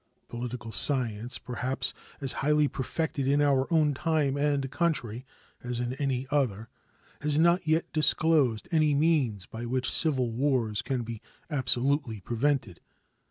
Political science, perhaps as highly perfected in our own time and country as in any other, has not yet disclosed any means by which civil wars can be absolutely prevented.